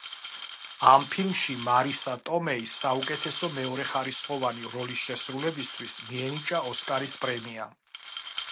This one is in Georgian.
ამ ფილმში მარისა ტომეის, საუკეთესო მეორეხარისხოვანი როლის შესრულებისთვის მიენიჭა ოსკარის პრემია.